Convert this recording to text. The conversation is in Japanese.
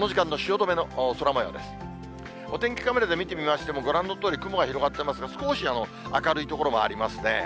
お天気カメラで見てみましても、ご覧のとおり、雲が広がっていますが、少し明るい所もありますね。